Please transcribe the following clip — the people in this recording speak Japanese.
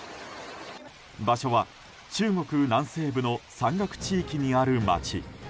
場所は、中国南西部の山岳地域にある街。